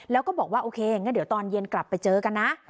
แล้วก็บอกว่าโอเคงั้นเดี๋ยวตอนเย็นกลับไปเจอกันนะ